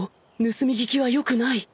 盗み聞きは良くない